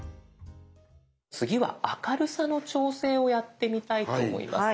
次は明るさの調整をやってみたいと思います。